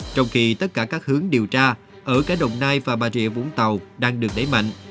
trong khi tất cả các hướng điều tra ở cả đồng nai và bà rịa vũng tàu đang được đẩy mạnh